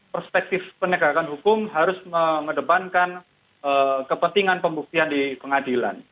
perspektif penegakan hukum harus mengedepankan kepentingan pembuktian di pengadilan